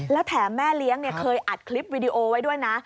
แล้วแถมแม่เลี้ยงเคยอัดคลิปวิดีโอไว้ด้วยนะ